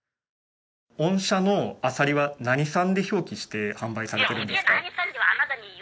御社のアサリは何産で表記して販売されているんですか？